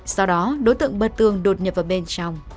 sau đó đối tượng bật tường đột nhập vào bên trong